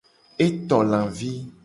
E to lavi.